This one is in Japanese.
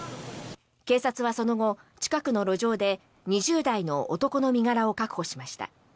警察はその後、近くの路上で２０代の男の身柄を確保しました。